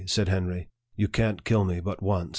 " said Henry ;" you can't kill me but once.